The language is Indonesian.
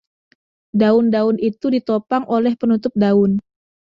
Daun-daun itu ditopang oleh penutup daun.